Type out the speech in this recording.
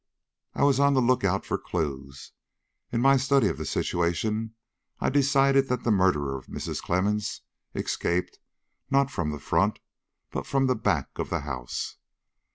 "I was on the look out for clues. In my study of the situation, I decided that the murderer of Mrs. Clemmens escaped, not from the front, but from the back, of the house.